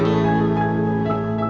kita akan mencari penumpang yang lebih baik